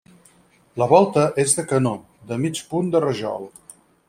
La volta és de canó, de mig punt de rajol.